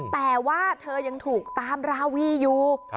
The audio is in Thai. แต่ว่าเธอยังถูกตามราวีอยู่